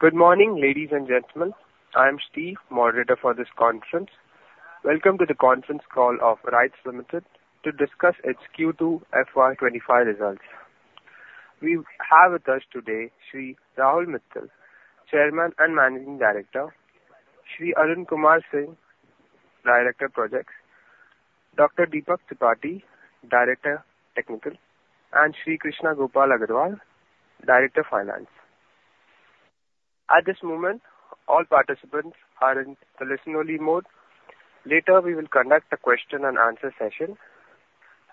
Good morning, ladies and gentlemen. I am Steve, moderator for this conference. Welcome to the conference call of RITES Limited, to discuss its Q2 FY25 results. We have with us today: Sri Rahul Mithal, Chairman and Managing Director; Sri Arun Kumar Singh, Director of Projects; Dr. Deepak Tripathi, Director of Technical; and Sri Krishna Gopal Agarwal, Director of Finance. At this moment, all participants are in the listen-only mode. Later, we will conduct a question-and-answer session.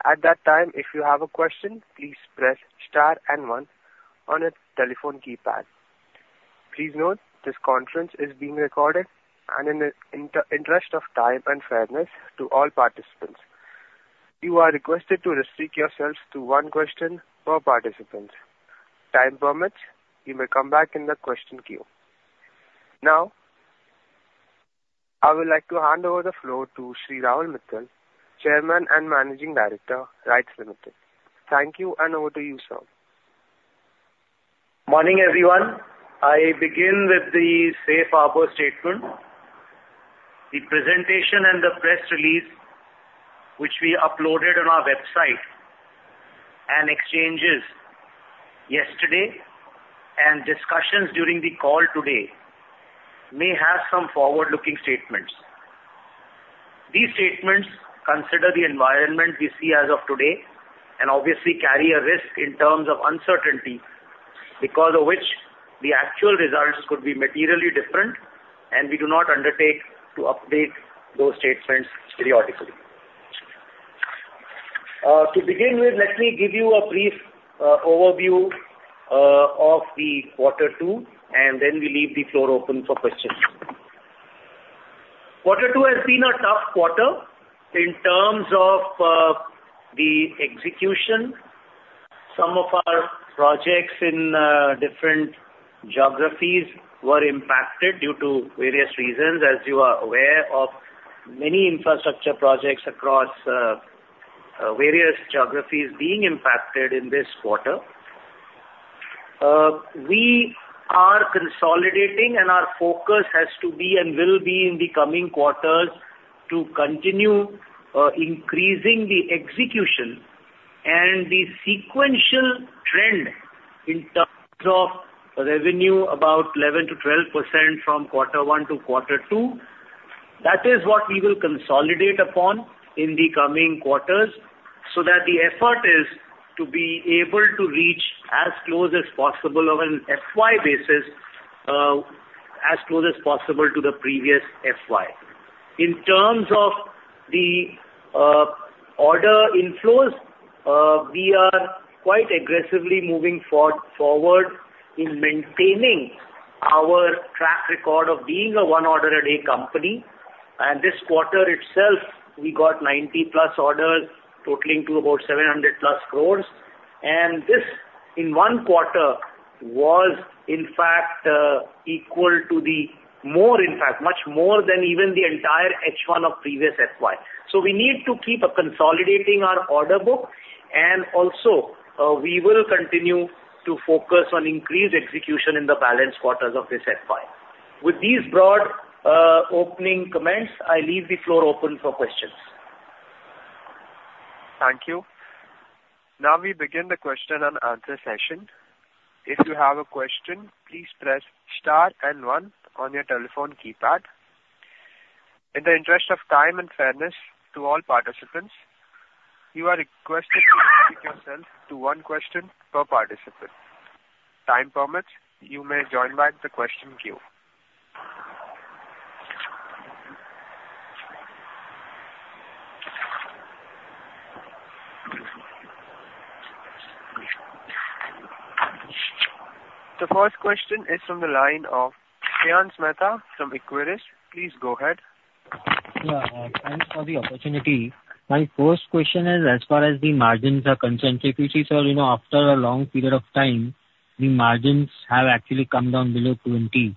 At that time, if you have a question, please press star and one on the telephone keypad. Please note, this conference is being recorded, and in the interest of time and fairness to all participants, you are requested to restrict yourselves to one question per participant. Time permits. You may come back in the question queue. Now, I would like to hand over the floor to Sri Rahul Mithal, Chairman and Managing Director, RITES Limited. Thank you, and over to you, sir. Morning, everyone. I begin with the Safe Harbor Statement, the presentation and the press release which we uploaded on our website, and exchanges yesterday, and discussions during the call today may have some forward-looking statements. These statements consider the environment we see as of today, and obviously carry a risk in terms of uncertainty, because of which the actual results could be materially different, and we do not undertake to update those statements periodically. To begin with, let me give you a brief overview of the quarter two, and then we leave the floor open for questions. Quarter two has been a tough quarter in terms of the execution. Some of our projects in different geographies were impacted due to various reasons, as you are aware of many infrastructure projects across various geographies being impacted in this quarter. We are consolidating, and our focus has to be and will be in the coming quarters to continue increasing the execution and the sequential trend in terms of revenue, about 11%-12% from quarter one to quarter two. That is what we will consolidate upon in the coming quarters, so that the effort is to be able to reach as close as possible on an FY basis, as close as possible to the previous FY. In terms of the order inflows, we are quite aggressively moving forward in maintaining our track record of being a one-order-a-day company. And this quarter itself, we got 90+ orders, totaling to about 700-plus crores. And this, in one quarter, was, in fact, equal to the more, in fact, much more than even the entire H1 of previous FY. So we need to keep consolidating our order book, and also, we will continue to focus on increased execution in the balance quarters of this FY. With these broad opening comments, I leave the floor open for questions. Thank you. Now we begin the question-and-answer session. If you have a question, please press star and one on your telephone keypad. In the interest of time and fairness to all participants, you are requested to limit yourself to one question per participant. Time permits, you may join back the question queue. The first question is from the line of Shreyans Mehta from Equirus. Please go ahead. Yeah, thanks for the opportunity. My first question is, as far as the margins are concerned, I see, sir, after a long period of time, the margins have actually come down below 20%.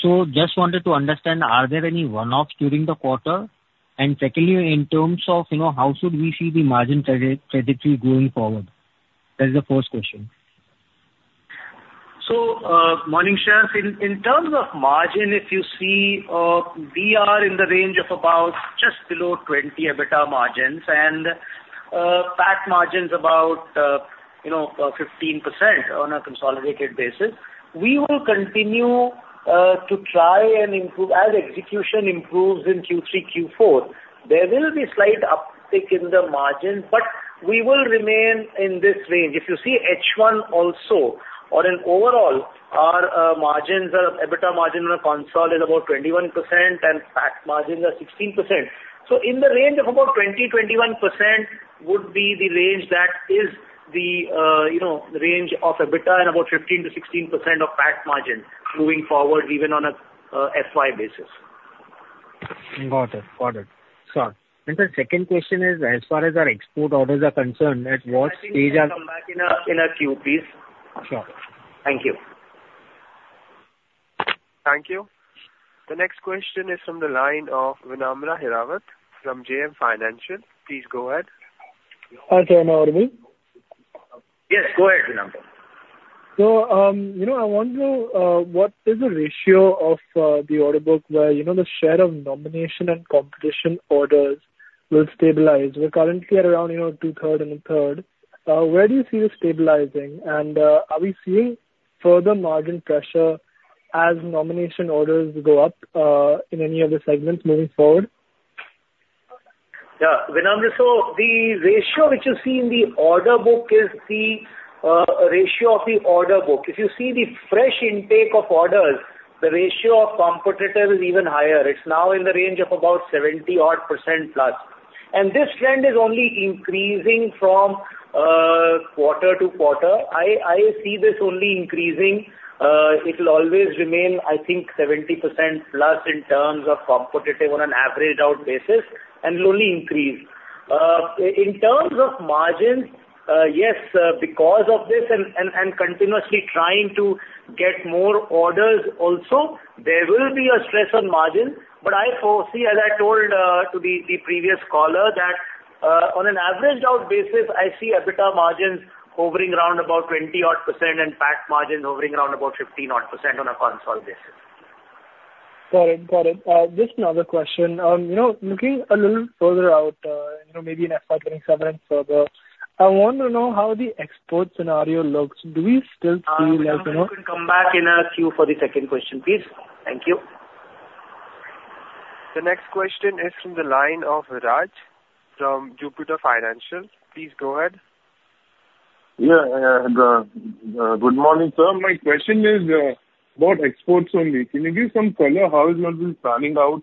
So just wanted to understand, are there any one-offs during the quarter? And secondly, in terms of how should we see the margin trajectory going forward? That is the first question. Morning, sir in terms of margin, if you see, we are in the range of about just below 20% EBITDA margins, and PAT margins about 15% on a consolidated basis. We will continue to try and improve. As execution improves in Q3, Q4, there will be a slight uptick in the margin, but we will remain in this range. If you see H1 also, on an overall, our margins are EBITDA margin consolidated about 21%, and PAT margins are 16%. So in the range of about 20% to 21% would be the range that is the range of EBITDA and about 15% to 16% of PAT margin moving forward, even on an FY basis. Got it. Got it. Sir, and the second question is, as far as our export orders are concerned, at what stage are we? Please come back in a queue, please. Sure. Thank you. Thank you. The next question is from the line of Vinamra Hirawat from JM Financial. Please go ahead. Hi, sir. May I intervene? Yes, go ahead, Vinamra. I wonder what is the ratio of the order book where the share of nomination and competition orders will stabilize? We're currently at around two-thirds and a third. Where do you see this stabilizing? And are we seeing further margin pressure as nomination orders go up in any of the segments moving forward? Yeah, Vinamra, so the ratio which you see in the order book is the ratio of the order book. If you see the fresh intake of orders, the ratio of competitors is even higher. It's now in the range of about 70-odd%+. And this trend is only increasing from quarter-to-quarter. I see this only increasing. It will always remain, I think, 70%+ in terms of competitive on an average-out basis, and it will only increase. In terms of margins, yes, because of this and continuously trying to get more orders also, there will be a stress on margins. But I foresee, as I told the previous caller, that on an average-out basis, I see EBITDA margins hovering around about 20-odd% and PAT margins hovering around about 15-odd% on a consolidated basis. Got it. Got it. Just another question. Looking a little further out, maybe in FY 2027 and further, I want to know how the export scenario looks. Do we still see? Sir, you can come back in a queue for the second question, please. Thank you. The next question is from the line of Viraj from Jupiter Financial. Please go ahead. Yeah, good morning, sir. My question is about exports only. Can you give some color on how it has been panning out?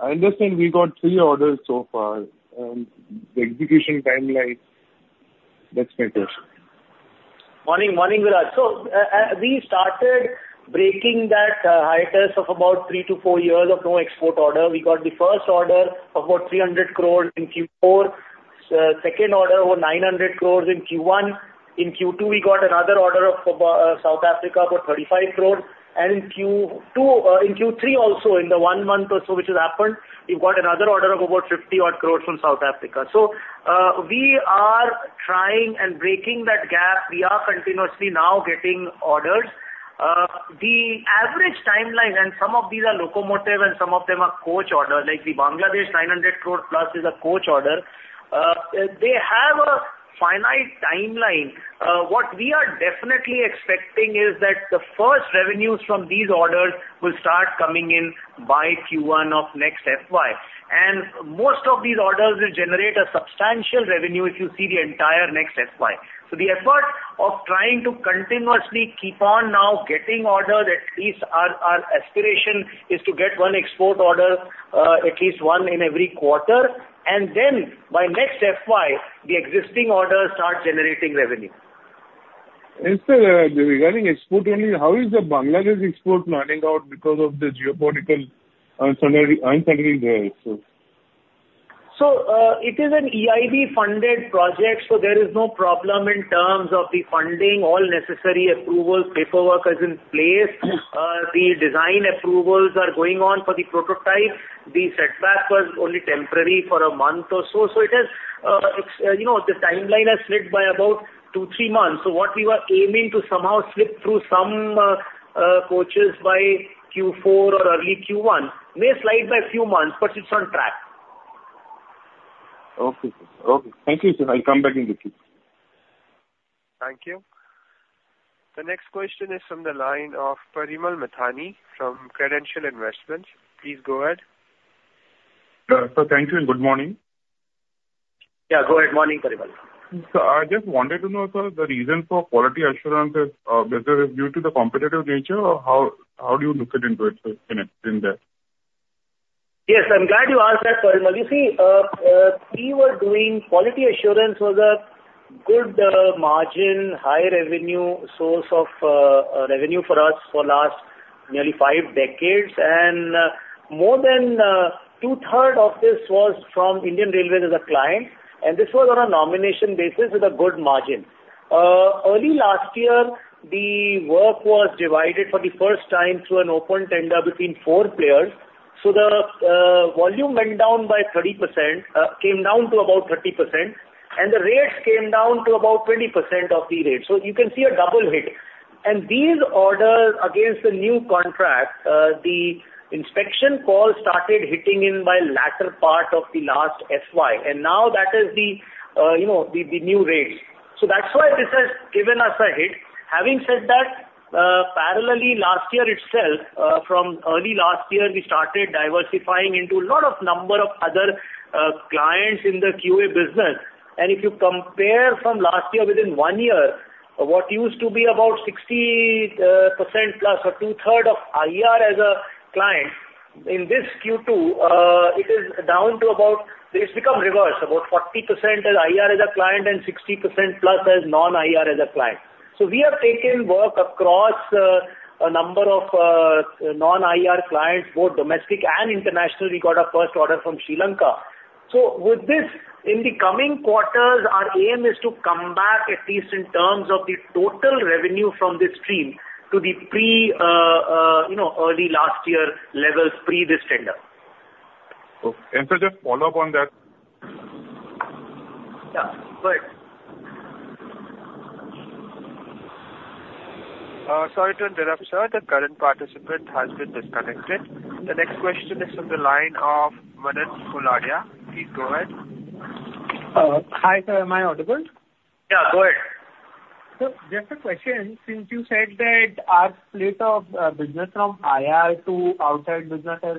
I understand we got three orders so far, and the execution timeline? That's my question. Morning, morning, Viraj. So we started breaking that hiatus of about three to four years of no export order. We got the first order of about 300 crores in Q4, second order of about 900 crores in Q1. In Q2, we got another order of South Africa for 35 crores. And in Q3 also, in the one month or so which has happened, we've got another order of about 50-odd crores from South Africa. So we are trying and breaking that gap. We are continuously now getting orders. The average timeline, and some of these are locomotive and some of them are coach orders, like the Bangladesh 900 crore plus is a coach order. They have a finite timeline. What we are definitely expecting is that the first revenues from these orders will start coming in by Q1 of next FY. And most of these orders will generate a substantial revenue if you see the entire next FY. So the effort of trying to continuously keep on now getting orders, at least our aspiration is to get one export order, at least one in every quarter. And then by next FY, the existing orders start generating revenue. Mr. Rahul, regarding export only, how is the Bangladesh export panning out because of the geopolitical uncertainties there? It is an EIB-funded project, so there is no problem in terms of the funding. All necessary approvals, paperwork is in place. The design approvals are going on for the prototype. The setback was only temporary for a month or so. So the timeline has slid by about two, three months. So what we were aiming to somehow slip through some coaches by Q4 or early Q1 may slide by a few months, but it's on track. Okay. Okay. Thank you, sir. I'll come back in a few. Thank you. The next question is from the line of Parimal Mithani from Credential Investments. Please go ahead. Sir, thank you and good morning. Yeah, go ahead. Morning, Parimal. Sir, I just wanted to know, sir, the reason for quality assurance is due to the competitive nature, or how do you look at it in that? Yes, I'm glad you asked that, Parimal. You see, we were doing quality assurance for the good margin, high revenue source of revenue for us for the last nearly five decades, and more than two-thirds of this was from Indian Railways as a client, and this was on a nomination basis with a good margin. Early last year, the work was divided for the first time to an open tender between four players, so the volume went down by 30%, came down to about 30%, and the rates came down to about 20% of the rate, so you can see a double hit, and these orders, against the new contract, the inspection call started hitting in by the latter part of the last FY, and now that is the new rate, so that's why this has given us a hit. Having said that, parallelly last year itself, from early last year, we started diversifying into a lot of number of other clients in the QA business. And if you compare from last year within one year, what used to be about 60%+ or two-thirds of IR as a client, in this Q2, it is down to about it's become reversed. About 40% as IR as a client and 60%+ as non-IR as a client. So we have taken work across a number of non-IR clients, both domestic and international. We got a first order from Sri Lanka. So with this, in the coming quarters, our aim is to come back, at least in terms of the total revenue from this stream, to the pre-early last year levels pre this tender. Okay, and sir, just follow up on that. Yeah, go ahead. Sorry to interrupt, sir. The current participant has been disconnected. The next question is from the line of Manan Poladia. Please go ahead. Hi, sir. Am I audible? Yeah, go ahead. Sir, just a question. Since you said that our split of business from IR to outside business has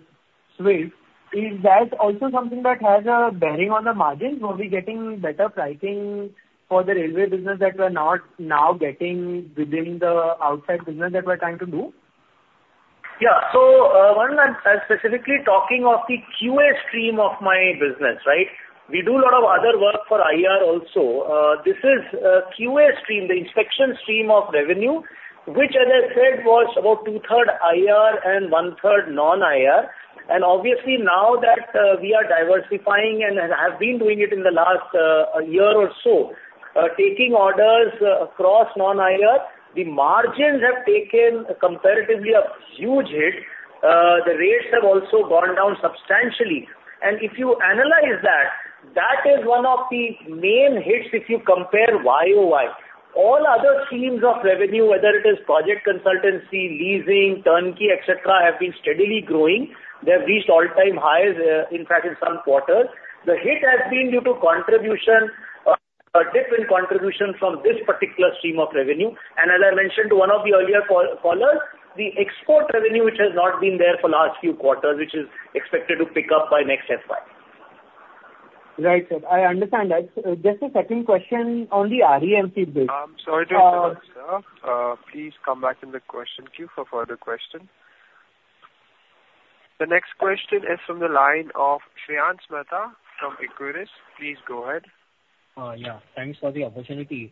switched, is that also something that has a bearing on the margins? Were we getting better pricing for the railway business that we're now getting within the outside business that we're trying to do? Yeah. So specifically talking of the QA stream of my business, right? We do a lot of other work for IR also. This is QA stream, the inspection stream of revenue, which, as I said, was about two-thirds IR and one-third non-IR. And obviously, now that we are diversifying and have been doing it in the last year or so, taking orders across non-IR, the margins have taken comparatively a huge hit. The rates have also gone down substantially. And if you analyze that, that is one of the main hits if you compare YoY. All other streams of revenue, whether it is project consultancy, leasing, turnkey, etc., have been steadily growing. They have reached all-time highs, in fact, in some quarters. The hit has been due to contribution, a dip in contribution from this particular stream of revenue. As I mentioned to one of the earlier callers, the export revenue, which has not been there for the last few quarters, which is expected to pick up by next FY. Right, sir. I understand that. Just a second question on the REMC bit. I'm sorry to interrupt, sir. Please come back in the question queue for further questions. The next question is from the line of Shreyans Mehta from Equirus Securities. Please go ahead. Yeah. Thanks for the opportunity.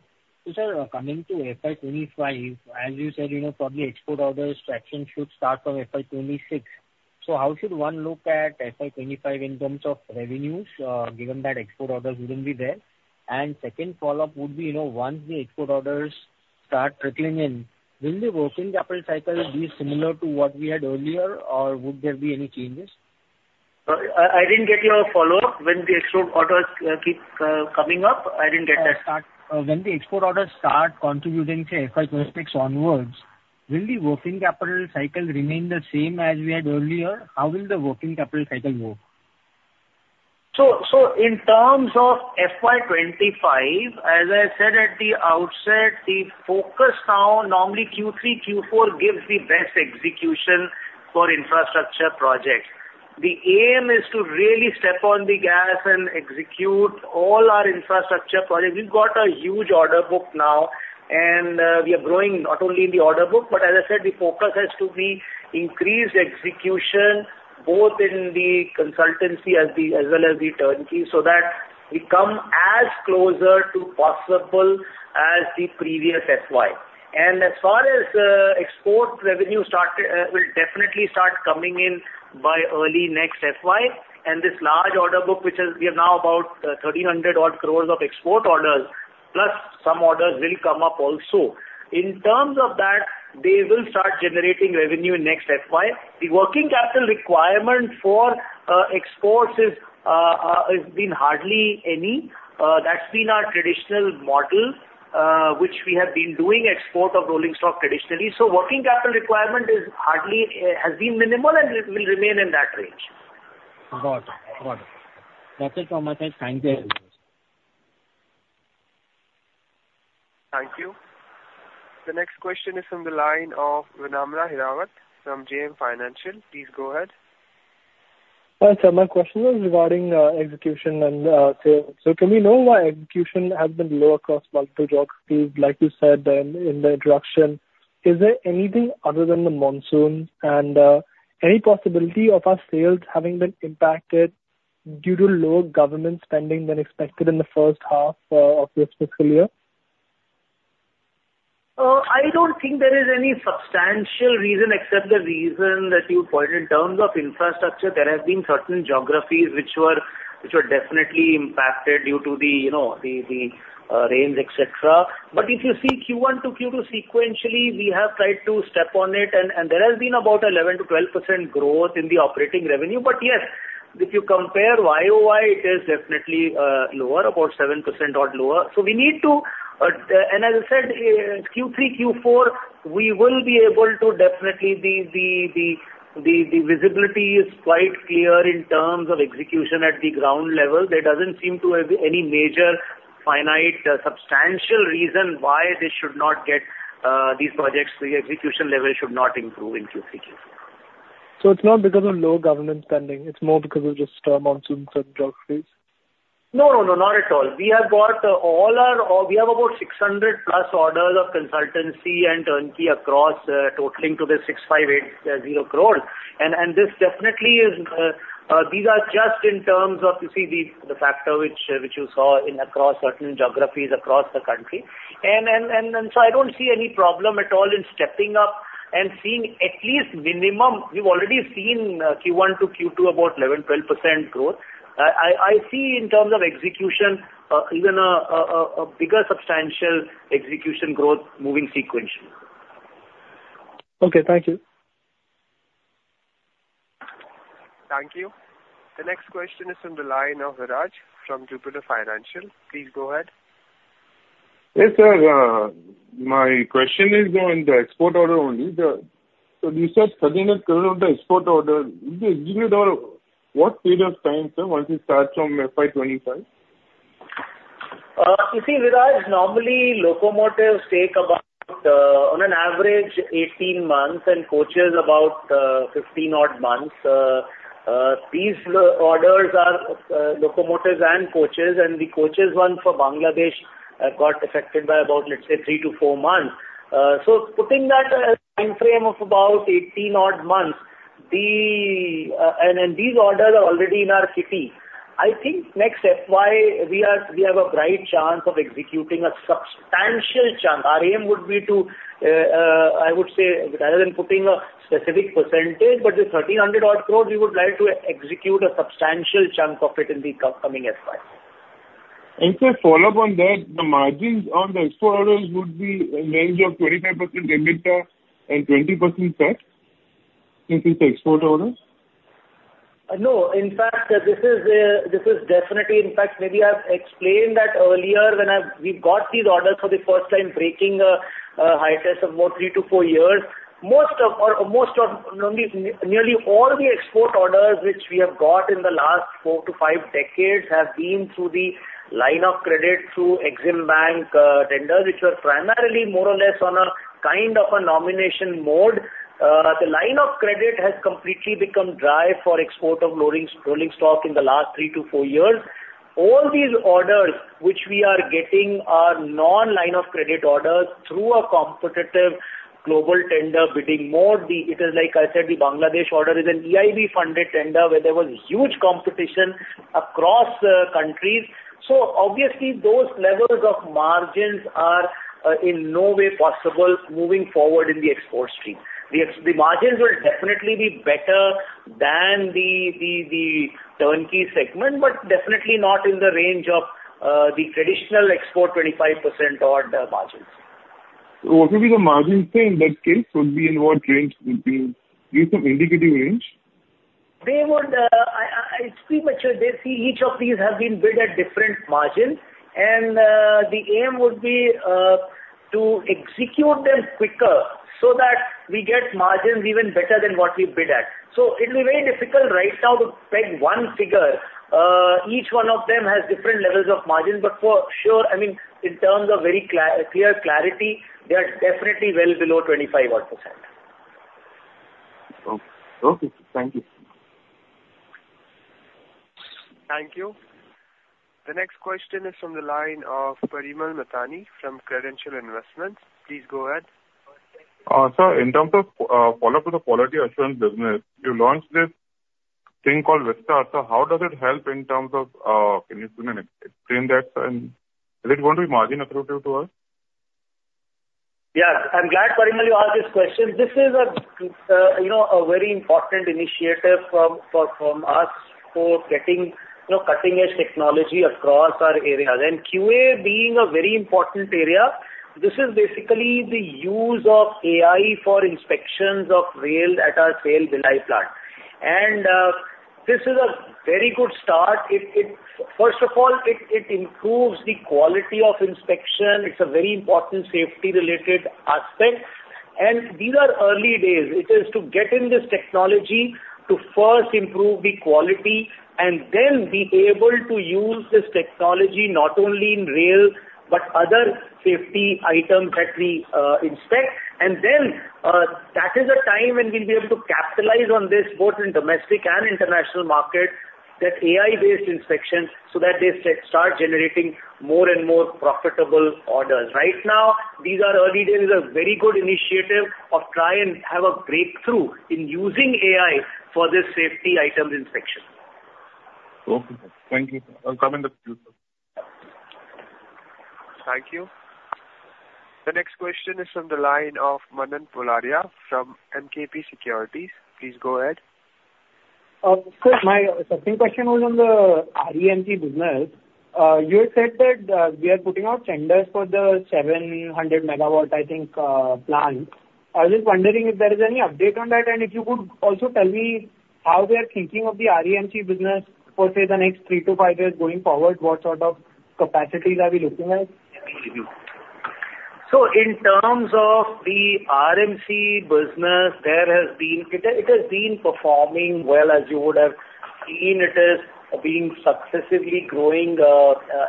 Sir, coming to FY 2025, as you said, probably export orders traction should start from FY 2026. So how should one look at FY25 in terms of revenues, given that export orders wouldn't be there? And second follow-up would be, once the export orders start trickling in, will the working capital cycle be similar to what we had earlier, or would there be any changes? I didn't get your follow-up. When the export orders keep coming up, I didn't get that. When the export orders start contributing to FY 2026 onwards, will the working capital cycle remain the same as we had earlier? How will the working capital cycle work? In terms of FY 2025, as I said at the outset, the focus now is that normally Q3, Q4 gives the best execution for infrastructure projects. The aim is to really step on the gas and execute all our infrastructure projects. We've got a huge order book now, and we are growing not only in the order book, but as I said, the focus has to be increased execution, both in the consultancy as well as the turnkey, so that we come as closer to possible as the previous FY. As far as export revenue started, it will definitely start coming in by early next FY. This large order book, which is now about 1,300-odd crores of export orders, plus some orders will come up also. In terms of that, they will start generating revenue in next FY. The working capital requirement for exports has been hardly any. That's been our traditional model, which we have been doing export of rolling stock traditionally. Working capital requirement has been minimal and will remain in that range. Got it. Got it. That's it from my side. Thank you. Thank you. The next question is from the line of Vinamra Hirawat from JM Financial. Please go ahead. Sir, my question was regarding execution and sales. So can we know why execution has been low across multiple geographies? Like you said in the introduction, is there anything other than the monsoons and any possibility of our sales having been impacted due to lower government spending than expected in the first half of this fiscal year? I don't think there is any substantial reason except the reason that you pointed in terms of infrastructure. There have been certain geographies which were definitely impacted due to the rains, etc. But if you see Q1-Q2 sequentially, we have tried to step on it, and there has been about 11%-12% growth in the operating revenue. But yes, if you compare YoY, it is definitely lower, about 7% or lower. So we need to, and as I said, Q3, Q4, we will be able to definitely the visibility is quite clear in terms of execution at the ground level. There doesn't seem to have any major finite substantial reason why they should not get these projects. The execution level should not improve in Q3, Q4. So it's not because of low government spending. It's more because of just monsoons and geographies? No, no, no, not at all. We have got all our we have about 600+ orders of consultancy and turnkey across totaling to the 6,580 crores. And this definitely is these are just in terms of, you see, the factor which you saw across certain geographies across the country. And so I don't see any problem at all in stepping up and seeing at least minimum. We've already seen Q1-Q2 about 11%-12% growth. I see in terms of execution, even a bigger substantial execution growth moving sequentially. Okay. Thank you. Thank you. The next question is from the line of Viraj from Jupiter Financial. Please go ahead. Yes, sir. My question is on the export order only. So you said INR 1,300 crores of the export order. Would you execute over what period of time, sir, once it starts from FY 2025? You see, Viraj, normally locomotives take about, on an average, 18 months, and coaches about 15-odd months. These orders are locomotives and coaches. And the coaches one for Bangladesh got affected by about, let's say, three to four months. So putting that time frame of about 18-odd months, and these orders are already in our kitty, I think next FY we have a bright chance of executing a substantial chunk. Our aim would be to, I would say, rather than putting a specific percentage, but the 1,300-odd crores, we would like to execute a substantial chunk of it in the upcoming FY. And to follow up on that, the margins on the export orders would be in range of 25% limit and 20% cut since it's export orders? No. In fact, this is definitely in fact, maybe I've explained that earlier when we've got these orders for the first time breaking a hiatus of about three to four years. Most of nearly all the export orders which we have got in the last four to five decades have been through the line of credit through Exim Bank tenders, which were primarily more or less on a kind of a nomination mode. The line of credit has completely become dry for export of rolling stock in the last three to four years. All these orders which we are getting are non-line of credit orders through a competitive global tender bidding mode. It is, like I said, the Bangladesh order is an EIB-funded tender where there was huge competition across countries. So obviously, those levels of margins are in no way possible moving forward in the export stream. The margins will definitely be better than the turnkey segment, but definitely not in the range of the traditional export 25%-odd margins. So, what would be the margins in that case? Would be in what range? Would you some indicative range? They would. It's premature. Each of these have been bid at different margins. And the aim would be to execute them quicker so that we get margins even better than what we bid at. So it will be very difficult right now to peg one figure. Each one of them has different levels of margins. But for sure, I mean, in terms of very clear clarity, they are definitely well below 25-odd%. Okay. Thank you. Thank you. The next question is from the line of Parimal Mithani from Credential Investments. Please go ahead. Sir, in terms of follow-up to the quality assurance business, you launched this thing called RITES. So, how does it help in terms of, can you explain that, sir? Is it going to be margin attributable to us? Yes. I'm glad, Parimal, you asked this question. This is a very important initiative from us for getting cutting-edge technology across our areas, and QA being a very important area, this is basically the use of AI for inspections of rail at our Bhilai plant, and this is a very good start. First of all, it improves the quality of inspection. It's a very important safety-related aspect, and these are early days. It is to get in this technology to first improve the quality and then be able to use this technology not only in rail but other safety items that we inspect, and then that is a time when we'll be able to capitalize on this, both in domestic and international market, that AI-based inspection so that they start generating more and more profitable orders. Right now, these are early days. It is a very good initiative of try and have a breakthrough in using AI for this safety item inspection. Okay. Thank you. I'll come in the future. Thank you. The next question is from the line of Manan Poladia from MKP Securities. Please go ahead. Sir, my second question was on the REMC business. You had said that we are putting out tenders for the 700-megawatt, I think, plant. I was just wondering if there is any update on that and if you could also tell me how they are thinking of the REMC business for, say, the next three to five years going forward, what sort of capacities are we looking at? In terms of the REMC business, it has been performing well as you would have seen. It is successively growing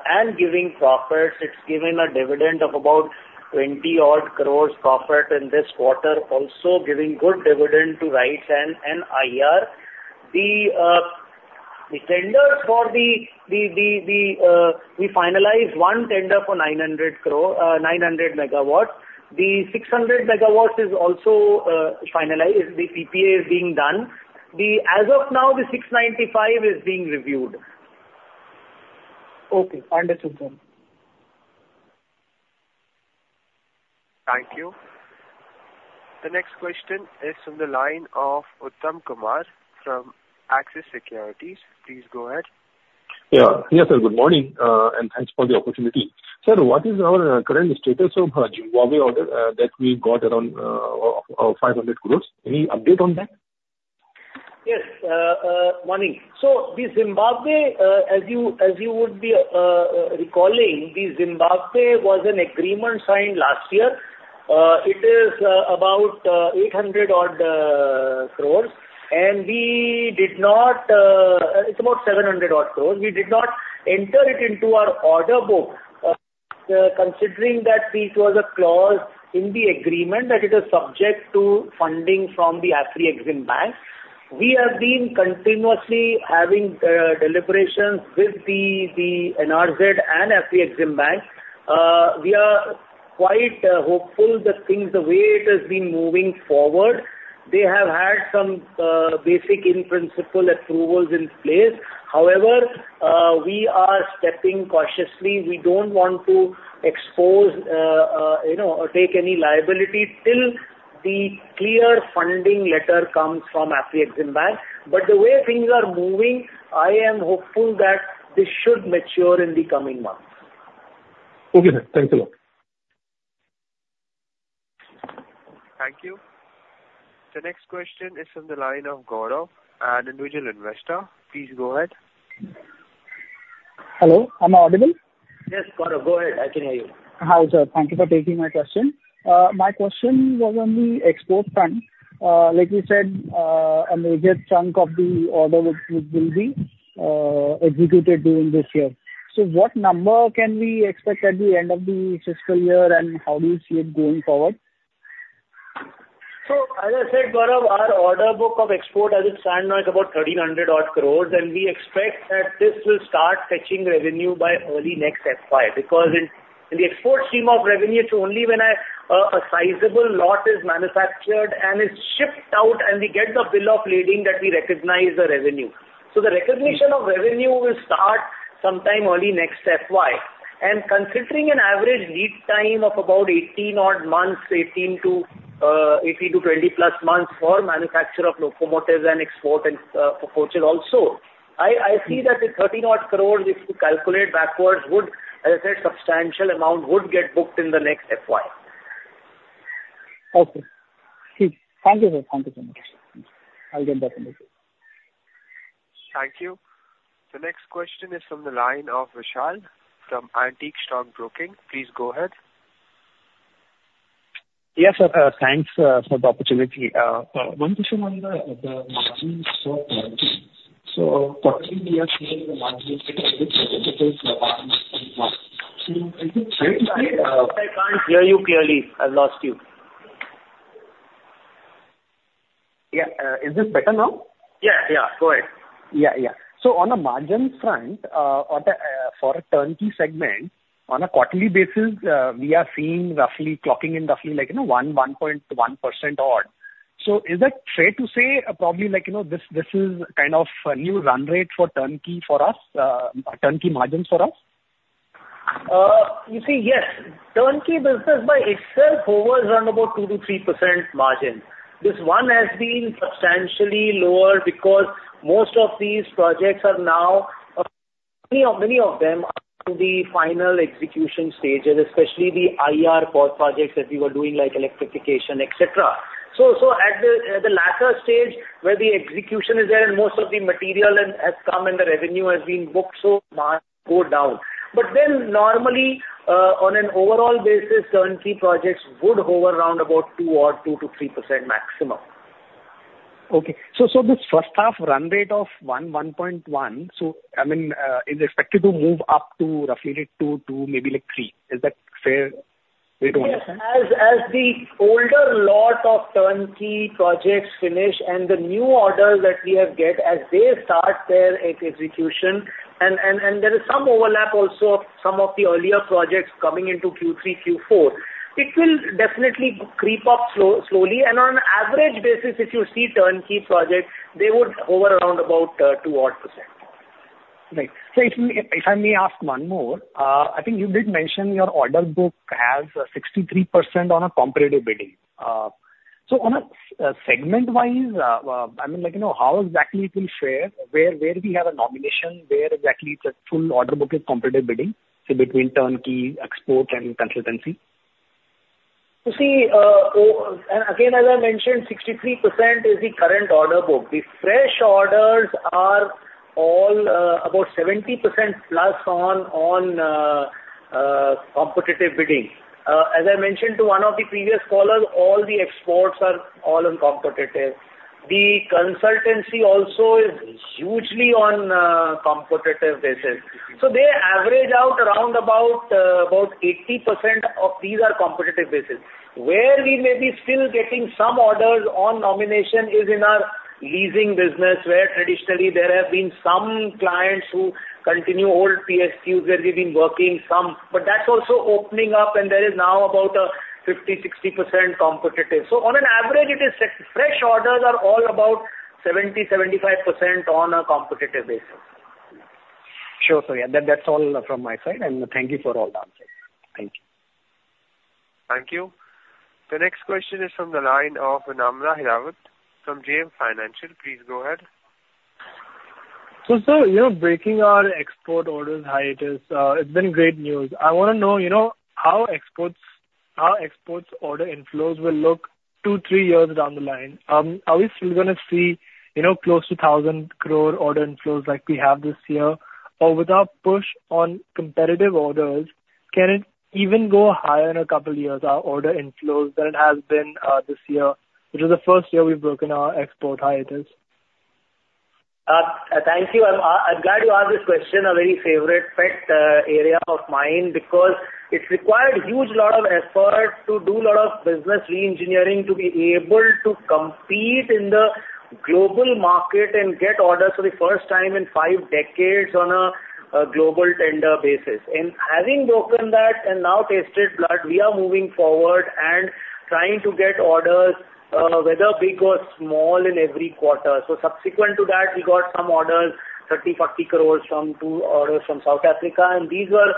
and giving profits. It has given a dividend of about 20-odd crores profit in this quarter, also giving good dividend to RITES and IR. We finalized one tender for 900 MW. The 600 MW is also finalized. The PPA is being done. As of now, the 695 is being reviewed. Okay. Understood, sir. Thank you. The next question is from the line of Uttam Kumar from Axis Securities. Please go ahead. Yeah. Yes, sir. Good morning and thanks for the opportunity. Sir, what is our current status of Zimbabwe order that we got around 500 crore? Any update on that? Yes. Morning. So the Zimbabwe, as you would be recalling, the Zimbabwe was an agreement signed last year. It is about 800-odd crores. It's about 700-odd crores. We did not enter it into our order book. Considering that it was a clause in the agreement that it is subject to funding from the Afreximbank, we have been continuously having deliberations with the NRZ and Afreximbank. We are quite hopeful that the way it has been moving forward, they have had some basic in-principle approvals in place. However, we are stepping cautiously. We don't want to expose or take any liability till the clear funding letter comes from Afreximbank. But the way things are moving, I am hopeful that this should mature in the coming months. Okay, sir. Thanks a lot. Thank you. The next question is from the line of Gaurav, an individual investor. Please go ahead. Hello. Am I audible? Yes, Gaurav. Go ahead. I can hear you. Hi, sir. Thank you for taking my question. My question was on the export fund. Like you said, a major chunk of the order book will be executed during this year. So what number can we expect at the end of the fiscal year, and how do you see it going forward? So as I said, Gaurav, our order book of export has been signed now. It's about 1,300-odd crores, and we expect that this will start catching revenue by early next FY because in the export stream of revenue, it's only when a sizable lot is manufactured and it's shipped out and we get the bill of lading that we recognize the revenue. So the recognition of revenue will start sometime early next FY. And considering an average lead time of about 18-odd months, 18 to 20-plus months for manufacture of locomotives and export and for coaches also, I see that the 13-odd crores, if you calculate backwards, would, as I said, substantial amount would get booked in the next FY. Okay. Thank you, sir. Thank you so much. I'll get back in the future. Thank you. The next question is from the line of Vishal from Antique Stock Broking. Please go ahead. Yes, sir. Thanks for the opportunity. One question on the margin export. So, quarterly year share margin is a bit elevated. Is this the margin front? So, is it clear to see? I can't hear you clearly. I've lost you. Yeah. Is this better now? Yeah. Yeah. Go ahead. Yeah. So on the margin front, for a turnkey segment, on a quarterly basis, we are seeing roughly clocking in like 1.1%-odd. So is it fair to say probably this is kind of a new run rate for turnkey for us, turnkey margins for us? You see, yes. Turkey business by itself hovers around about 2%-3% margin. This one has been substantially lower because most of these projects are now many of them are in the final execution stages, especially the IR projects that we were doing like electrification, etc. So at the latter stage where the execution is there and most of the material has come and the revenue has been booked, so margins go down. But then normally, on an overall basis, turnkey projects would hover around about 2-odd, 2%-3% maximum. Okay. So this first half run rate of 1.1, so I mean, is expected to move up to roughly like two, two, maybe like three. Is that a fair way to understand? Yes. As the older lot of turnkey projects finish and the new orders that we have get, as they start their execution, and there is some overlap also of some of the earlier projects coming into Q3, Q4, it will definitely creep up slowly. And on an average basis, if you see turnkey projects, they would hover around about 2-odd%. Right. So if I may ask one more, I think you did mention your order book has 63% on a comparative bidding. So segment-wise, I mean, how exactly it will share? Where we have a nomination, where exactly the full order book is comparative bidding? So between turnkey, export, and consultancy? You see, again, as I mentioned, 63% is the current order book. The fresh orders are all about 70% plus on competitive bidding. As I mentioned to one of the previous callers, all the exports are all on competitive. The consultancy also is hugely on competitive basis. So they average out around about 80% of these are competitive basis. Where we may be still getting some orders on nomination is in our leasing business, where traditionally there have been some clients who continue old PSUs where we've been working some. But that's also opening up, and there is now about a 50%-60% competitive. So on an average, it is fresh orders are all about 70%-75% on a competitive basis. Sure. So yeah, that's all from my side. And thank you for all the answers. Thank you. Thank you. The next question is from the line of Vinamra Hirawat from JM Financial. Please go ahead. So sir, breaking our export orders high, it has been great news. I want to know how exports order inflows will look two, three years down the line. Are we still going to see close to 1,000 crore order inflows like we have this year? Or with our push on competitive orders, can it even go higher in a couple of years, our order inflows than it has been this year, which is the first year we've broken our export high it is? Thank you. I'm glad you asked this question. A very favorite pet area of mine because it's required a huge lot of effort to do a lot of business re-engineering to be able to compete in the global market and get orders for the first time in five decades on a global tender basis, and having broken that and now tasted blood, we are moving forward and trying to get orders, whether big or small, in every quarter, so subsequent to that, we got some orders, 30 crores, 40 crores from two orders from South Africa. And these were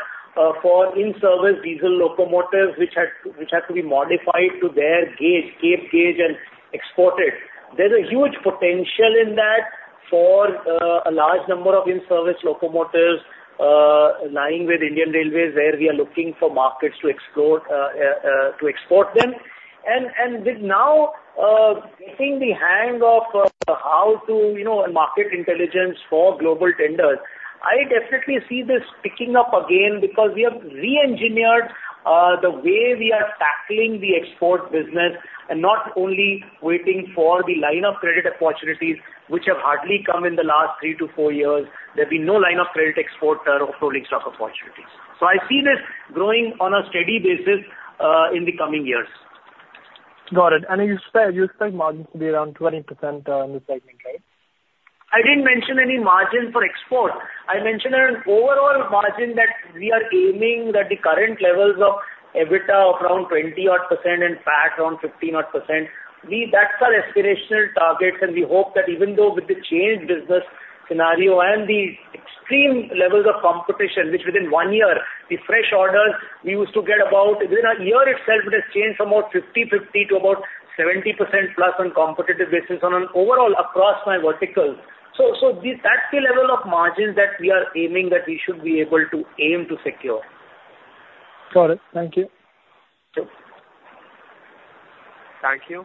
for in-service diesel locomotives, which had to be modified to their gauge, Cape gauge, and exported. There's a huge potential in that for a large number of in-service locomotives lying with Indian Railways, where we are looking for markets to export them. And now, getting the hang of how to gather market intelligence for global tenders, I definitely see this picking up again because we have re-engineered the way we are tackling the export business and not only waiting for the line of credit opportunities, which have hardly come in the last three to four years. There'll be no line of credit, export, or rolling stock opportunities. So I see this growing on a steady basis in the coming years. Got it. And you expect margins to be around 20% in the segment, right? I didn't mention any margin for export. I mentioned an overall margin that we are aiming that the current levels of EBITDA of around 20-odd% and PAT around 15-odd%. That's our aspirational targets, and we hope that even though with the changed business scenario and the extreme levels of competition, which within one year, the fresh orders we used to get about within a year itself, it has changed from about 50-50 to about 70%+ on competitive basis on an overall across my vertical. So that's the level of margins that we are aiming that we should be able to aim to secure. Got it. Thank you. Thank you.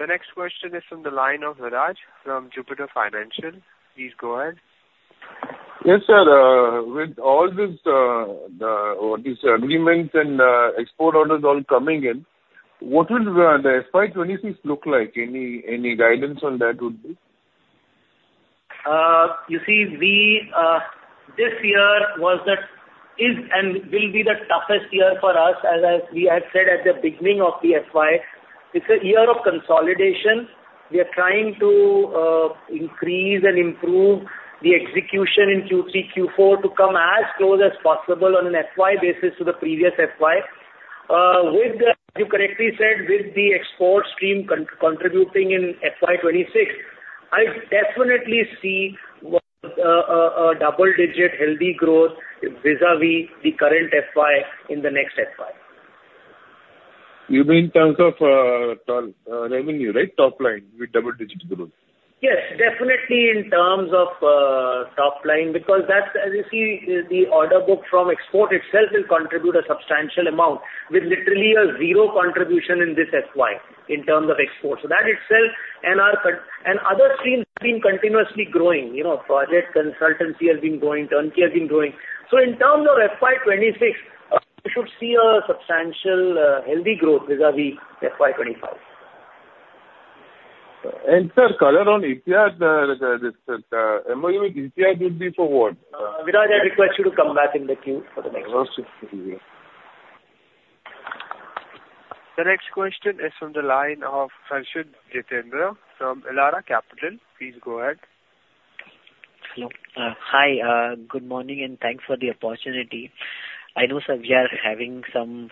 The next question is from the line of Viraj from Jupiter Financial. Please go ahead. Yes, sir. With all these agreements and export orders all coming in, what will the FY 2026 look like? Any guidance on that would be? You see, this year was and will be the toughest year for us, as we had said at the beginning of the FY. It's a year of consolidation. We are trying to increase and improve the execution in Q3, Q4 to come as close as possible on an FY basis to the previous FY. As you correctly said, with the export stream contributing in FY 2026, I definitely see a double-digit healthy growth vis-à-vis the current FY in the next FY. You mean in terms of revenue, right? Top line with double-digit growth? Yes. Definitely in terms of top line because that's, as you see, the order book from export itself will contribute a substantial amount with literally a zero contribution in this FY in terms of exports. So that itself and other streams have been continuously growing. Project consultancy has been growing. Turnkey has been growing. So in terms of FY 2026, we should see a substantial healthy growth vis-à-vis FY 2025. Sir, color on Etihad? The MOU with Etihad will be for what? Raj, I request you to come back in the queue for the next question. The next question is from the line of Harshit Kapadia from Elara Capital. Please go ahead. Hello. Hi. Good morning, and thanks for the opportunity. I know, sir, we are having some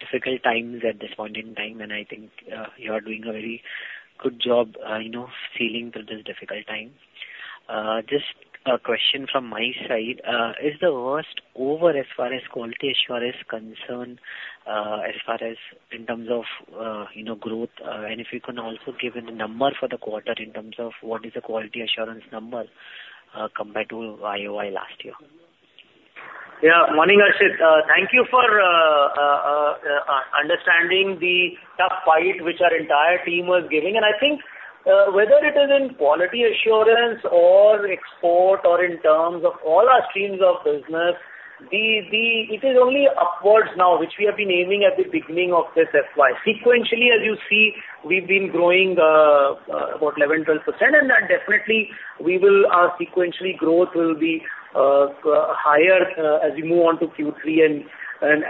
difficult times at this point in time, and I think you are doing a very good job sailing through this difficult time. Just a question from my side. Is the worst over as far as quality assurance concerned as far as in terms of growth? And if you can also give a number for the quarter in terms of what is the quality assurance number compared to Q1 last year? Yeah. Morning, Harshit. Thank you for understanding the tough fight which our entire team was giving. And I think whether it is in quality assurance or export or in terms of all our streams of business, it is only upwards now, which we have been aiming at the beginning of this FY. Sequentially, as you see, we've been growing about 11%-12%, and definitely our sequentially growth will be higher as we move on to Q3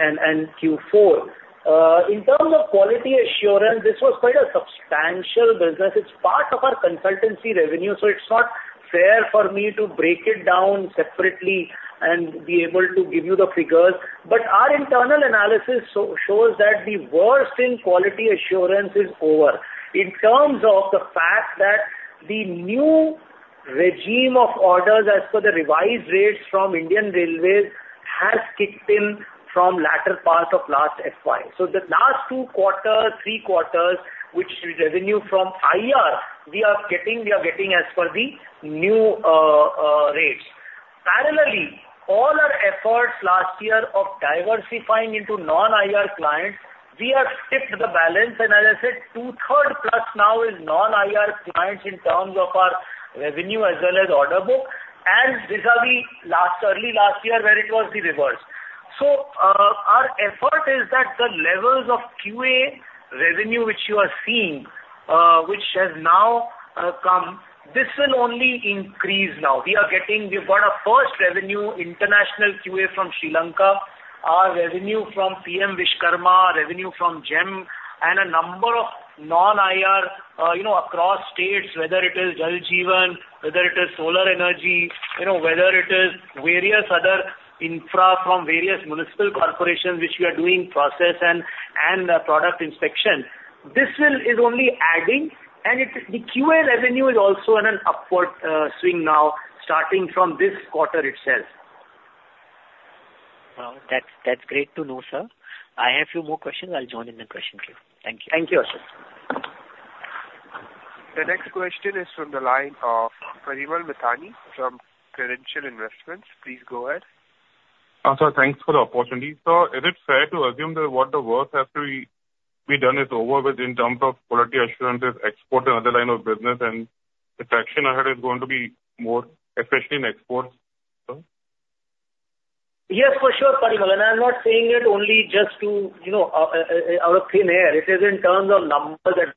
and Q4. In terms of quality assurance, this was quite a substantial business. It's part of our consultancy revenue, so it's not fair for me to break it down separately and be able to give you the figures. But our internal analysis shows that the worst in quality assurance is over in terms of the fact that the new regime of orders as per the revised rates from Indian Railways has kicked in from latter part of last FY. So the last two quarters, three quarters, which revenue from IR we are getting as per the new rates. Parallelly, all our efforts last year of diversifying into non-IR clients, we have tipped the balance, and as I said, two-thirds-plus now is non-IR clients in terms of our revenue as well as order book. And vis-à-vis early last year, where it was the reverse. So our effort is that the levels of QA revenue, which you are seeing, which has now come. This will only increase now. We got our first revenue, international QA from Sri Lanka, our revenue from PM Vishwakarma, revenue from GeM, and a number of non-IR across states, whether it is Jal Jeevan, whether it is solar energy, whether it is various other infra from various municipal corporations, which we are doing process and product inspection. This is only adding, and the QA revenue is also in an upward swing now, starting from this quarter itself. That's great to know, sir. I have a few more questions. I'll join in the question queue. Thank you. Thank you, Harshit. The next question is from the line of Parimal Mithani from Credential Investments. Please go ahead. Also, thanks for the opportunity. Sir, is it fair to assume that what the worst has to be done is over with in terms of quality assurances, export, and other line of business, and the traction ahead is going to be more, especially in exports? Yes, for sure, Parimal. And I'm not saying it only just out of thin air. It is in terms of numbers that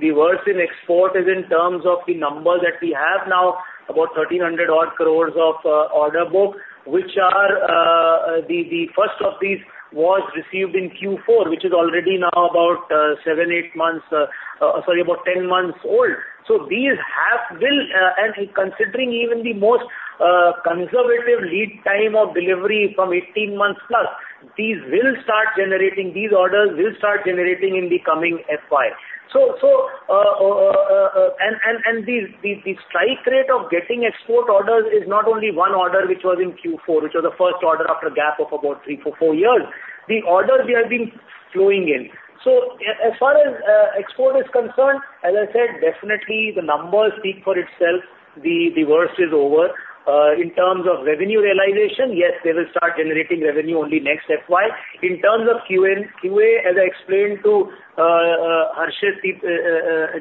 the worst in export is in terms of the number that we have now, about 1,300-odd crores of order book, which are the first of these was received in Q4, which is already now about seven, eight months. Sorry, about 10 months old. So these will, and considering even the most conservative lead time of delivery from 18 months+, these will start generating. These orders will start generating in the coming FY. And the strike rate of getting export orders is not only one order, which was in Q4, which was the first order after a gap of about three, four, four years. The orders we have been flowing in. So as far as export is concerned, as I said, definitely the numbers speak for itself. The worst is over. In terms of revenue realization, yes, they will start generating revenue only next FY. In terms of QA, as I explained to Harshit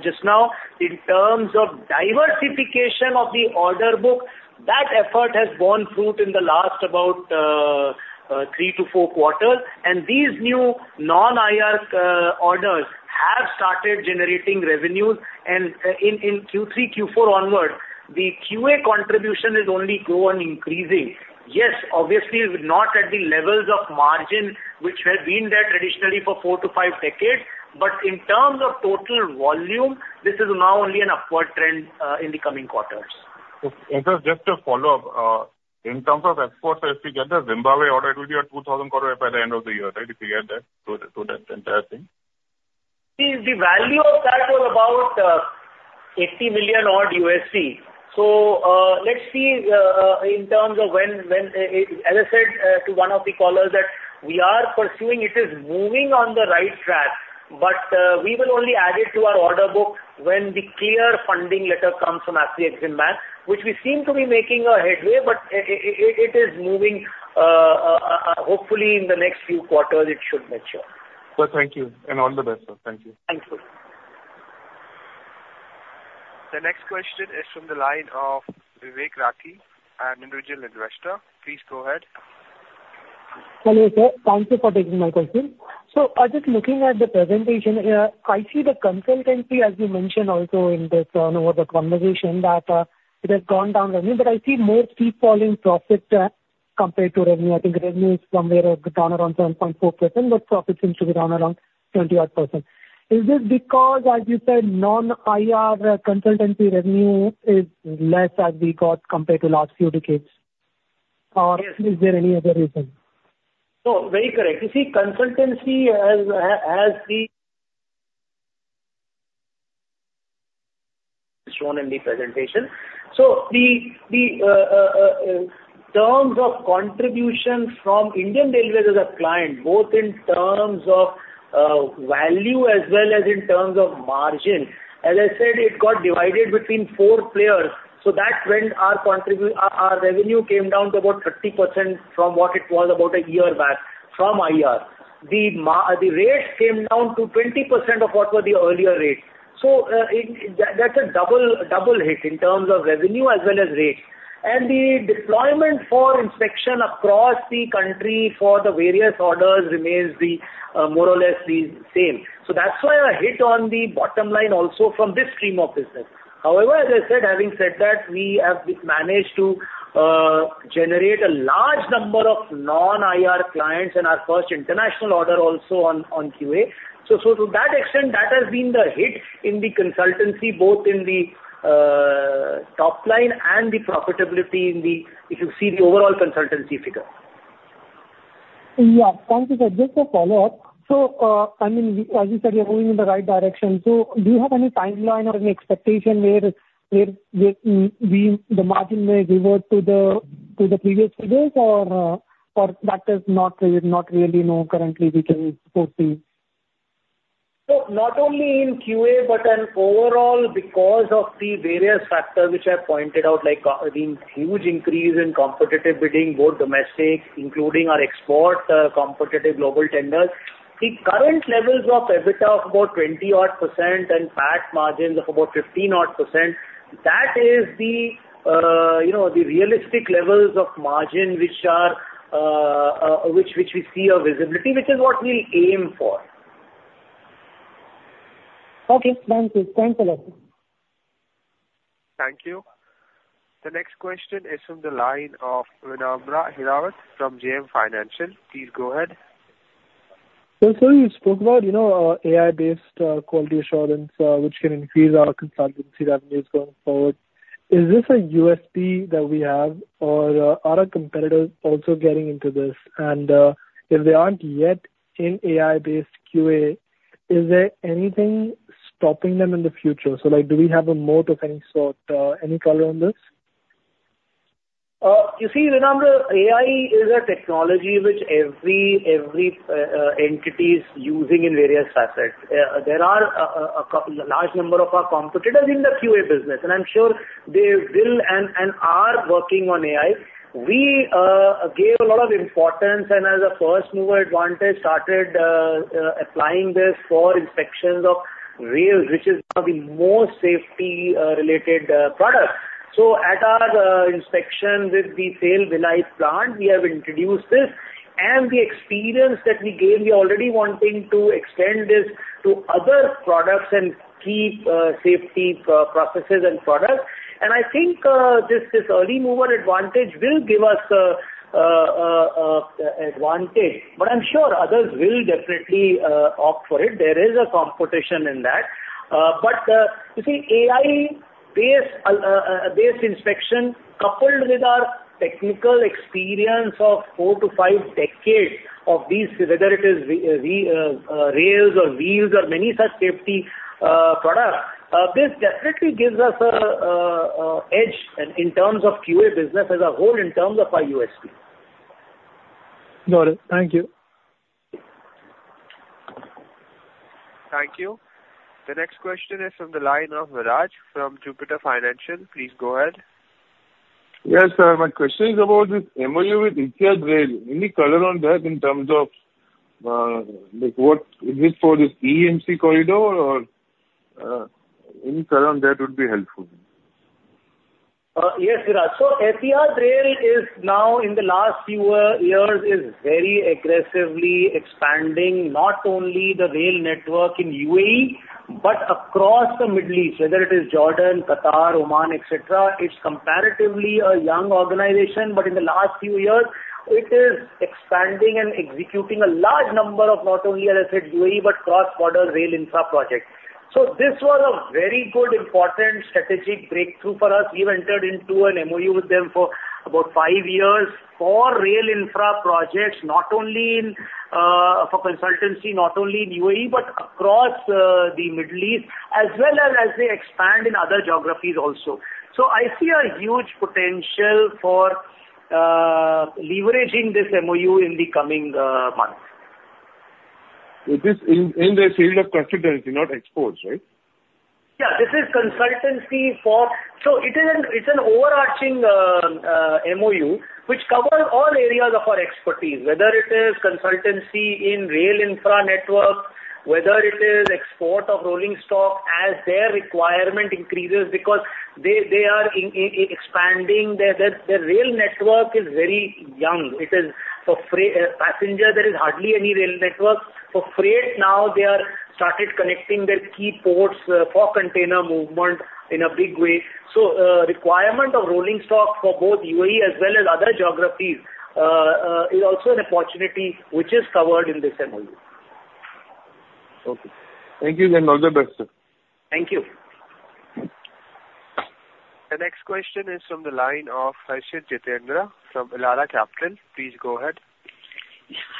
just now, in terms of diversification of the order book, that effort has borne fruit in the last about three-to-four quarters. And these new non-IR orders have started generating revenue. And in Q3, Q4 onward, the QA contribution is only growing and increasing. Yes, obviously, not at the levels of margin which have been there traditionally for four-to-five decades, but in terms of total volume, this is now only an upward trend in the coming quarters. And, sir, just to follow up, in terms of exports, if we get the Zimbabwe order, it will be 2,000 crore by the end of the year, right? If we add that to that entire thing? The value of that was about $80 million-odd. So let's see in terms of when, as I said to one of the callers, that we are pursuing, it is moving on the right track, but we will only add it to our order book when the clear funding letter comes from Afreximbank, which we seem to be making a headway, but it is moving. Hopefully, in the next few quarters, it should mature. Sir, thank you. And all the best, sir. Thank you. Thank you. The next question is from the line of Vivek Rathi, an individual investor. Please go ahead. Hello, sir. Thank you for taking my call, sir. So just looking at the presentation, I see the consultancy, as you mentioned also in this conversation, that it has gone down revenue, but I see more dip in profit compared to revenue. I think revenue is somewhere down around 7.4%, but profit seems to be down around 20-odd%. Is this because, as you said, non-IR consultancy revenue is less as we got compared to last few decades? Or is there any other reason? No, very correct. You see, consultancy has the. Shown in the presentation. So the terms of contribution from Indian Railways as a client, both in terms of value as well as in terms of margin, as I said, it got divided between four players. So that's when our revenue came down to about 30% from what it was about a year back from IR. The rates came down to 20% of what were the earlier rates. So that's a double hit in terms of revenue as well as rates. And the deployment for inspection across the country for the various orders remains more or less the same. So that's why a hit on the bottom line also from this stream of business. However, as I said, having said that, we have managed to generate a large number of non-IR clients and our first international order also on QA. So to that extent, that has been the hit in the consultancy, both in the top line and the profitability in the, if you see the overall consultancy figure. Yes. Thank you, sir. Just a follow-up. So I mean, as you said, we are moving in the right direction. So do you have any timeline or any expectation where the margin may revert to the previous figures, or that is not really known currently? We can foresee. Not only in QA, but overall because of the various factors which I pointed out, like the huge increase in competitive bidding, both domestic, including our export competitive global tenders, the current levels of EBITDA of about 20-odd% and PAT margins of about 15-odd%, that is the realistic levels of margin which we see a visibility, which is what we'll aim for. Okay. Thank you. Thanks a lot. Thank you. The next question is from the line of Vinamra Hirawat from JM Financial. Please go ahead. So sir, you spoke about AI-based quality assurance, which can increase our consultancy revenues going forward. Is this a USP that we have, or are our competitors also getting into this? And if they aren't yet in AI-based QA, is there anything stopping them in the future? So do we have a moat of any sort? Any color on this? You see, Vinamra, AI is a technology which every entity is using in various facets. There are a large number of our competitors in the QA business, and I'm sure they will and are working on AI. We gave a lot of importance and, as a first-mover advantage, started applying this for inspections of rails, which is one of the most safety-related products. So at our inspection with the SAIL Bhilai plant, we have introduced this, and the experience that we gave, we are already wanting to extend this to other products and keep safety processes and products, and I think this early-mover advantage will give us advantage, but I'm sure others will definitely opt for it. There is a competition in that. But you see, AI-based inspection coupled with our technical experience of four to five decades of these, whether it is rails or wheels or many such safety products, this definitely gives us an edge in terms of QA business as a whole in terms of our USP. Got it. Thank you. Thank you. The next question is from the line of Viraj from Jupiter Financial. Please go ahead. Yes, sir. My question is about this MOU with Etihad Rail. Any color on that in terms of what is it for this IMEC corridor, or any color on that would be helpful? Yes, Harshit. So Etihad Rail is now, in the last few years, very aggressively expanding, not only the rail network in UAE, but across the Middle East, whether it is Jordan, Qatar, Oman, etc. It's comparatively a young organization, but in the last few years, it is expanding and executing a large number of not only, as I said, UAE, but cross-border rail infra projects. So this was a very good, important strategic breakthrough for us. We have entered into an MOU with them for about five years for rail infra projects, not only for consultancy, not only in UAE, but across the Middle East, as well as they expand in other geographies also. So I see a huge potential for leveraging this MOU in the coming months. Is this in the field of consultancy? Not exports, right? Yeah. This is consultancy for so it's an overarching MOU, which covers all areas of our expertise, whether it is consultancy in rail infra network, whether it is export of rolling stock as their requirement increases because they are expanding. The rail network is very young. For passenger, there is hardly any rail network. For freight, now they have started connecting their key ports for container movement in a big way. So the requirement of rolling stock for both UAE as well as other geographies is also an opportunity which is covered in this MOU. Okay. Thank you. And all the best, sir. Thank you. The next question is from the line of Harshit Kapadia from Elara Capital. Please go ahead.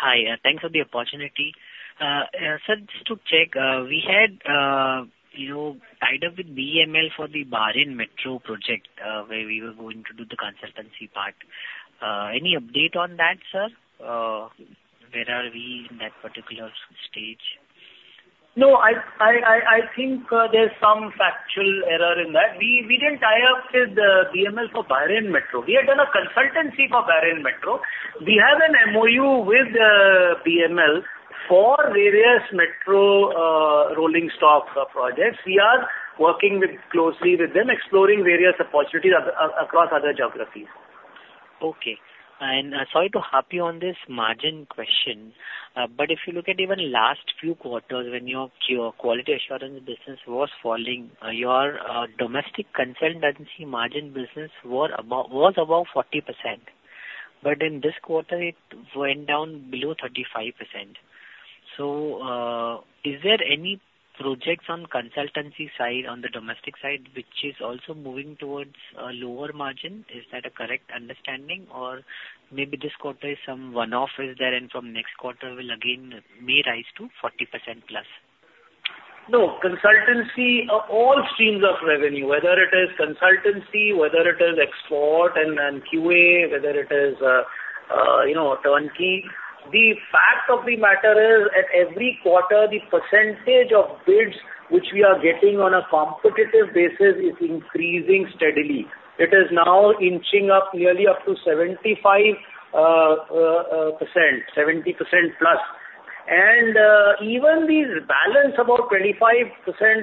Hi. Thanks for the opportunity. Sir, just to check, we had tied up with BEML for the Bahrain Metro project where we were going to do the consultancy part. Any update on that, sir? Where are we in that particular stage? No, I think there's some factual error in that. We didn't tie up with BEML for Bahrain Metro. We had done a consultancy for Bahrain Metro. We have an MOU with BEML for various metro rolling stock projects. We are working closely with them, exploring various opportunities across other geographies. Okay, and sorry to hop in on this margin question, but if you look at even last few quarters when your quality assurance business was falling, your domestic consultancy margin business was about 40%. But in this quarter, it went down below 35%. So is there any projects on consultancy side on the domestic side, which is also moving towards a lower margin? Is that a correct understanding? Or maybe this quarter is some one-off, and from next quarter will again may rise to 40%+? No. Consultancy all streams of revenue, whether it is consultancy, whether it is export and QA, whether it is turnkey. The fact of the matter is, at every quarter, the percentage of bids which we are getting on a competitive basis is increasing steadily. It is now inching up nearly up to 75%, 70% plus. And even the balance about 25%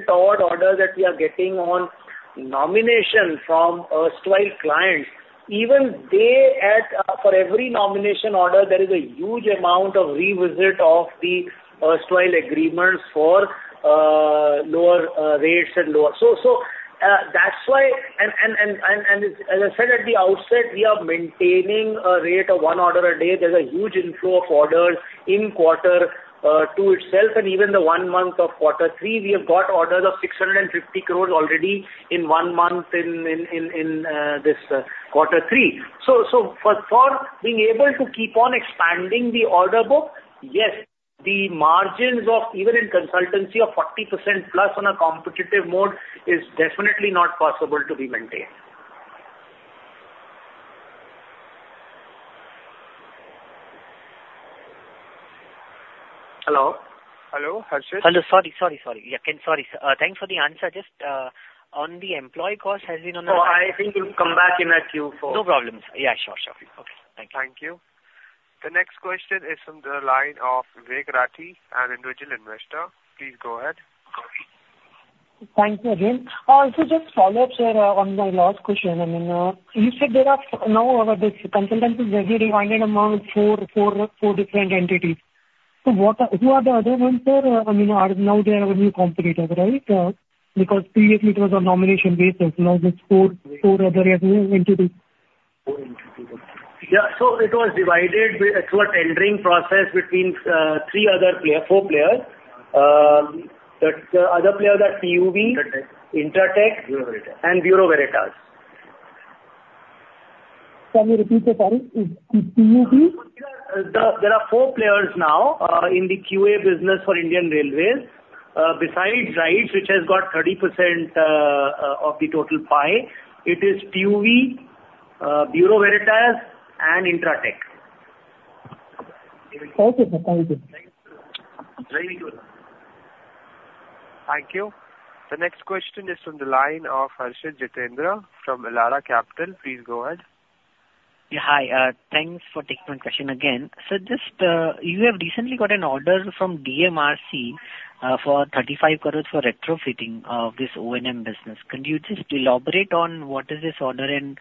toward orders that we are getting on nomination from overseas clients, even they, for every nomination order, there is a huge amount of revisit of the overseas agreements for lower rates and lower. So that's why, and as I said at the outset, we are maintaining a rate of one order a day. There's a huge inflow of orders in quarter two itself, and even the one month of quarter three, we have got orders of 650 crores already in one month in this quarter three. So for being able to keep on expanding the order book, yes, the margins of even in consultancy of 40%+ on a competitive mode is definitely not possible to be maintained. Hello? Hello, Harshad? Hello. Sorry. Yeah, sorry. Thanks for the answer. Just on the employee cost has been on the. Oh, I think you'll come back in at Q4. No problem. Yeah, sure, sure. Okay. Thank you. Thank you. The next question is from the line of Vivek Rathi, an individual investor. Please go ahead. Thank you again. Also, just follow-up, sir, on my last question. I mean, you said there are now consultancy revenue divided among four different entities. So who are the other ones, sir? I mean, now they are a new competitor, right? Because previously, it was on nomination basis. Now there's four other entities. Yeah. So it was divided. It's a tendering process between three or four players. The other player that TÜV SÜD, Intertek, and Bureau Veritas. Can you repeat that, sir? Is TÜV SÜD? There are four players now in the QA business for Indian Railways. Besides RITES, which has got 30% of the total pie, it is TÜV SÜD, Bureau Veritas, and Intertek. Okay. Thank you. Very good. Thank you. The next question is from the line of Harshit Kapadia from Elara Capital. Please go ahead. Yeah. Hi. Thanks for taking my question again. So just you have recently got an order from DMRC for 35 crores for retrofitting of this O&M business. Can you just elaborate on what is this order and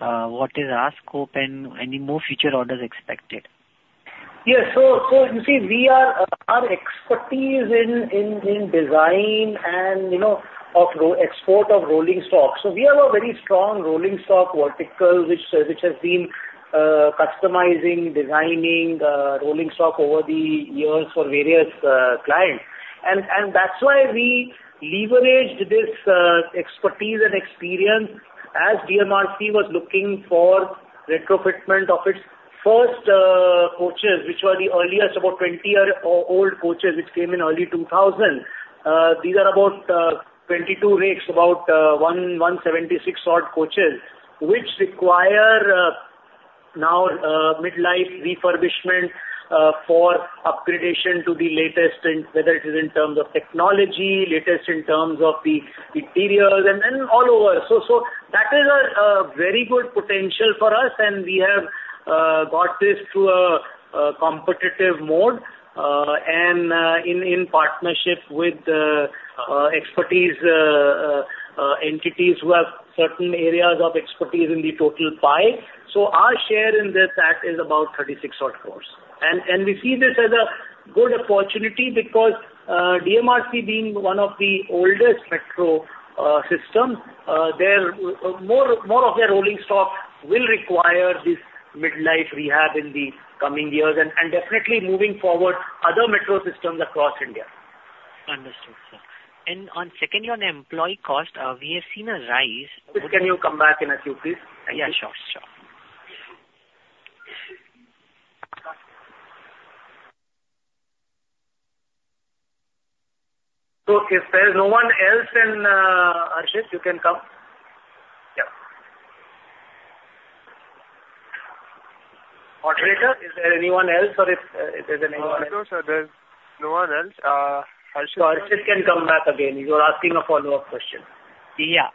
what is our scope and any more future orders expected? Yeah. So you see, we are our expertise in design and export of rolling stock. So we have a very strong rolling stock vertical, which has been customizing, designing rolling stock over the years for various clients. And that's why we leveraged this expertise and experience as DMRC was looking for retrofitment of its first coaches, which were the earliest about 20-year-old coaches, which came in early 2000. These are about 22 rakes, about 176-odd coaches, which require now mid-life refurbishment for upgradation to the latest, whether it is in terms of technology, latest in terms of the interiors, and all over. So that is a very good potential for us, and we have got this through a competitive mode and in partnership with expertise entities who have certain areas of expertise in the total pie. So our share in that is about 36-odd crores. We see this as a good opportunity because DMRC, being one of the oldest metro systems, more of their rolling stock will require this mid-life rehab in the coming years and definitely moving forward other metro systems across India. Understood, sir. Secondly, on employee cost, we have seen a rise. Can you come back in a few, please? Yeah. Sure, sure. So if there's no one else, Harshad, you can come. Yeah. Moderator, is there anyone else, or if there's anyone else? No, sir. There's no one else. Harshit can. Harshit can come back again. You're asking a follow-up question. Yeah.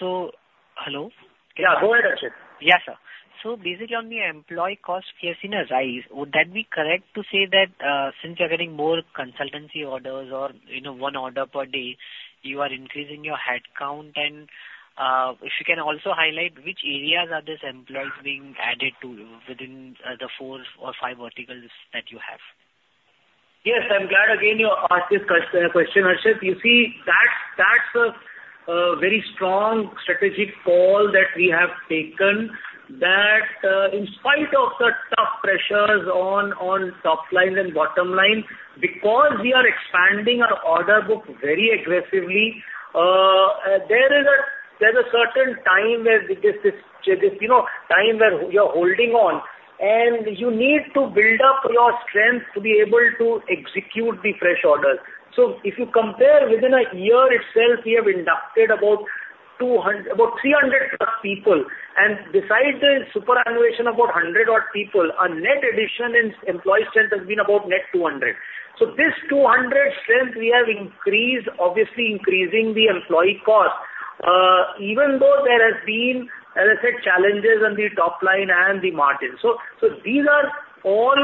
So, hello. Yeah. Go ahead, Harshit. Yeah, sir. So basically, on the employee cost, we have seen a rise. Would that be correct to say that since you're getting more consultancy orders or one order per day, you are increasing your headcount? And if you can also highlight which areas are these employees being added to within the four or five verticals that you have? Yes. I'm glad again you asked this question, Harshit. You see, that's a very strong strategic call that we have taken that, in spite of the tough pressures on top line and bottom line, because we are expanding our order book very aggressively, there is a certain time where this time where you're holding on, and you need to build up your strength to be able to execute the fresh orders. So if you compare, within a year itself, we have inducted about 300-plus people. And besides the superannuation of about 100-odd people, our net addition in employee strength has been about net 200. So this 200 strength, we have increased, obviously increasing the employee cost, even though there have been, as I said, challenges on the top line and the margin. So these are all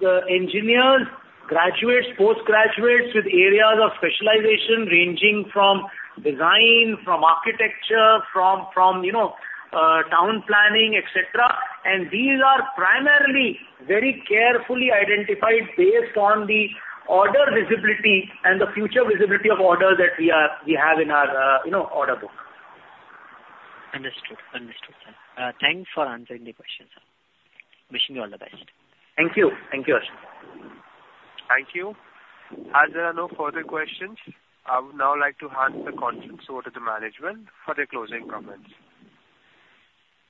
the engineers, graduates, post-graduates with areas of specialization ranging from design, from architecture, from town planning, etc. And these are primarily very carefully identified based on the order visibility and the future visibility of orders that we have in our order book. Understood. Understood, sir. Thanks for answering the question, sir. Wishing you all the best. Thank you. Thank you, Harshit. Thank you. As there are no further questions, I would now like to hand the conference over to the management for their closing comments.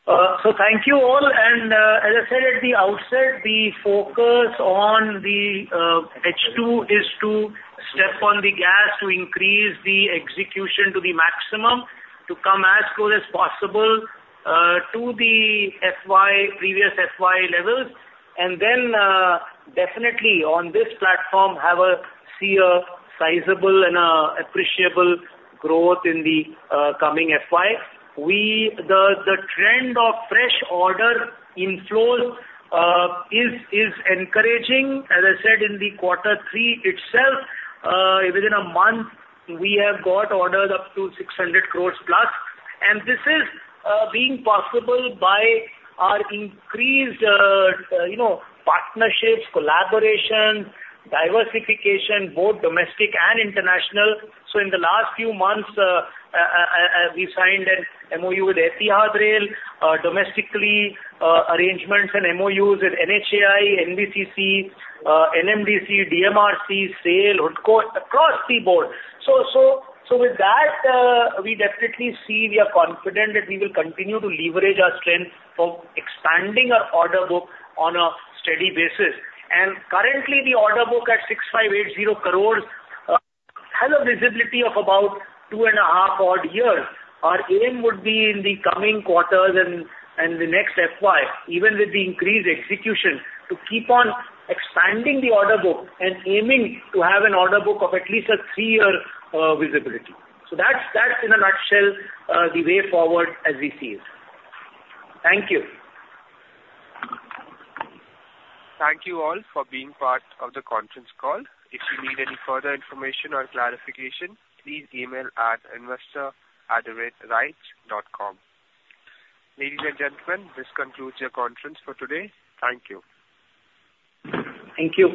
So thank you all. And as I said at the outset, the focus on the H2 is to step on the gas to increase the execution to the maximum, to come as close as possible to the previous FY levels. And then definitely on this platform, see a sizable and appreciable growth in the coming FY. The trend of fresh order inflows is encouraging. As I said, in the quarter three itself, within a month, we have got orders up to 600 crores plus. And this is being possible by our increased partnerships, collaboration, diversification, both domestic and international. So in the last few months, we signed an MOU with Etihad Rail, domestically arrangements and MOUs with NHAI, NBCC, NMDC, DMRC, SAIL, HUDCO, across the board. So with that, we definitely see we are confident that we will continue to leverage our strength for expanding our order book on a steady basis. And currently, the order book at 6,580 crores has a visibility of about two and a half odd years. Our aim would be in the coming quarters and the next FY, even with the increased execution, to keep on expanding the order book and aiming to have an order book of at least a three-year visibility. So that's, in a nutshell, the way forward as we see it. Thank you. Thank you all for being part of the conference call. If you need any further information or clarification, please email at investor@rites.com. Ladies and gentlemen, this concludes your conference for today. Thank you. Thank you.